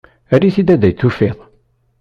Err-it anda i t-tufiḍ.